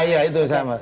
ya itu sama